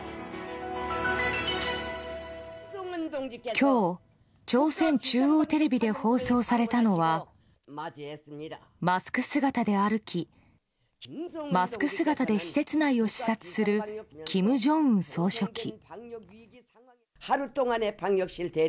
今日、朝鮮中央テレビで放送されたのはマスク姿で歩きマスク姿で施設内を視察する金正恩総書記。